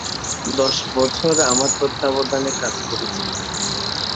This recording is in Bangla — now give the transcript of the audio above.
দশবছর আমার তত্ত্বাবধানে কাজ করেছে।